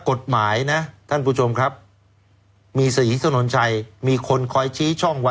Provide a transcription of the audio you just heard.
กฎหมายนะคุณผู้ชมครับมีศีลศนลจ่ายมีคนคอยชี้ช่องไว้